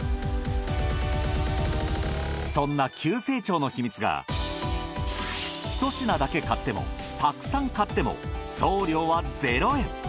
そんな急成長の秘密が１品だけ買ってもたくさん買っても送料は０円。